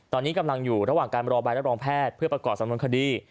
ตอนนี้กำลังอยู่ระหว่างการรอใบรับรองแพทย์เพื่อประกอบสำนวนคดี